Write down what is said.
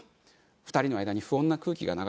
２人の間に不穏な空気が流れます。